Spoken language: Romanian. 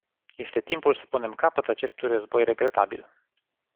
Este timpul să punem capăt acestui război regretabil.